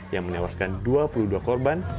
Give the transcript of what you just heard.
yang menewaskan dua puluh dua korban